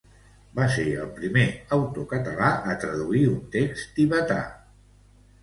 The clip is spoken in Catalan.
Va ser el primer autor català a traduir un text tibetà.